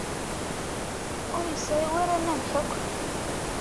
Ur yesɛi ara anamek akk.